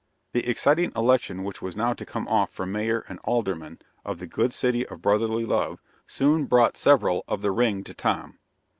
The exciting election which was now to come off for Mayor and Aldermen of the good city of Brotherly Love soon brought several of the "ring" to Tom.